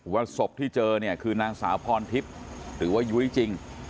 ว่าศพที่เจอนี่คือนางสาวพรพิพย์หรือว่าอยู่ที่จริง